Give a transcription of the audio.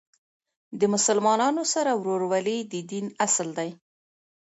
د مسلمانانو سره ورورولۍ د دین اصل دی.